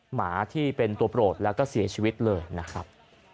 หมาที่เป็นตัวโปรดแล้วก็เสียชีวิตเลยนะครับ